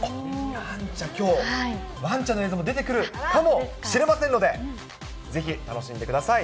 わんちゃん、きょう、わんちゃんの映像も出てくるかもしれませんので、ぜひ楽しんでください。